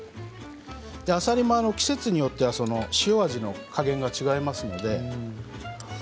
あさりも季節によっては塩味の加減が違います。